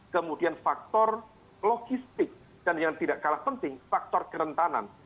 kemudian faktor logistik dan yang tidak kalah penting faktor kerentanan